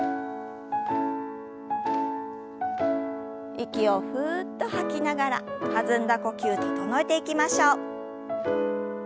息をふっと吐きながら弾んだ呼吸整えていきましょう。